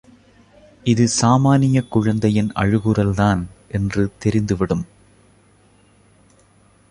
இது சாமானியக் குழந்தையின் அழுகுரல் தான் என்று தெரிந்துவிடும்.